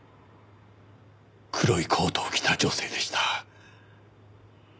黒いコートを着た女性でした。